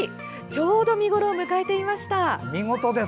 ちょうど見頃を迎えていました。